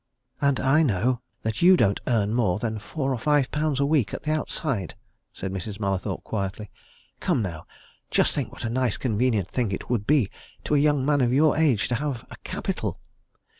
"And I know that you don't earn more than four or five pounds a week, at the outside," said Mrs. Mallathorpe quietly. "Come, now just think what a nice, convenient thing it would be to a young man of your age to have a capital.